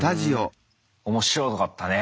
面白かったね。